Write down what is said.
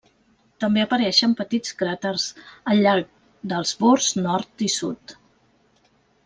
També apareixen petits cràters al llarg dels bords nord i sud.